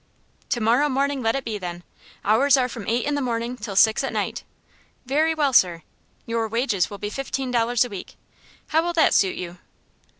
"To morrow morning let it be, then! Hours are from eight in the morning till six at night." "Very well, sir." "Your wages will be fifteen dollars a week. How will that suit you?"